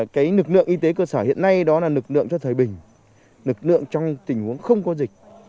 cái lực lượng y tế cơ sở hiện nay đó là lực lượng cho thời bình lực lượng trong tình huống không có dịch